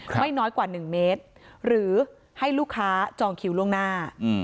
ครับไม่น้อยกว่าหนึ่งเมตรหรือให้ลูกค้าจองคิวล่วงหน้าอืม